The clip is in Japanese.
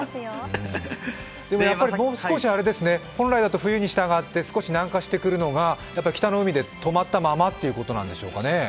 もう少し本来だと冬にしたがって少し南下してくるのが、北の海で止まったまんまということなんですかね？